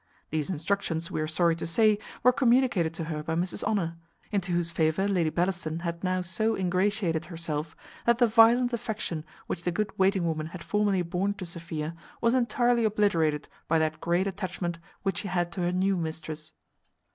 These instructions, we are sorry to say, were communicated to her by Mrs Honour, into whose favour Lady Bellaston had now so ingratiated herself, that the violent affection which the good waiting woman had formerly borne to Sophia was entirely obliterated by that great attachment which she had to her new mistress.